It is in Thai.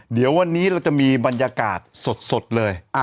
เดี๋ยววันนี้เราจะมีบรรยากาศสดเลย